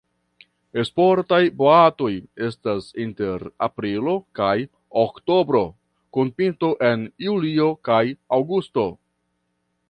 Sportaj boatoj estas inter aprilo kaj oktobro kun pinto en julio kaj aŭgusto.